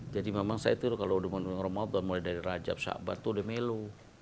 jadi memang saya itu kalau udah ngomongin ramadhan mulai dari rajab sabat tuh udah melu